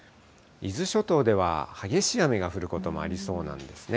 伊豆諸島では、激しい雨が降ることもありそうなんですね。